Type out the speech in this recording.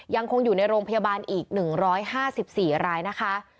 ยังคงอยู่ในโรงพยาบาลอีก๑๕๔รายนะคะ